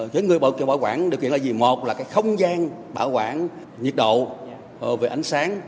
với người bảo kiện bảo quản điều kiện là gì một là cái không gian bảo quản nhiệt độ về ánh sáng